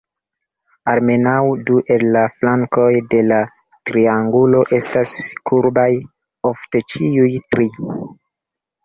Almenaŭ du el la flankoj de la triangulo estas kurbaj; ofte ĉiuj tri.